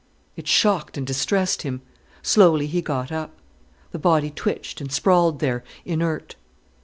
It shocked and distressed him. Slowly, he got up. The body twitched and sprawled there, inert.